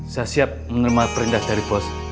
saya siap menerima perintah dari bos